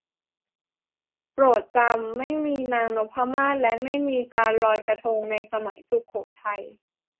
โปรดจำ ไม่มีนางนพมาศ และไม่มีการลอยกระทง ในสมัยสุโขทัย